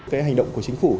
cái hành động của chính phủ